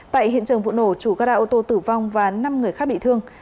tại hiện trường vụ nổ chủ gara ô tô tử vong và năm người khác bị thương